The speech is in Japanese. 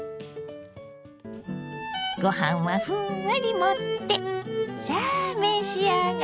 ご飯はふんわり盛ってさあ召し上がれ！